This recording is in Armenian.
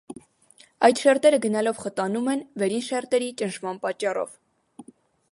Այդ շերտերը գնալով խտանում են վերին շերտերի ճնշման պատճառով։